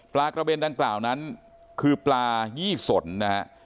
กระเบนดังกล่าวนั้นคือปลายี่สนนะฮะ